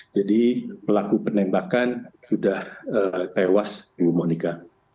jadi pelaku penembakan sudah tewas bu bonika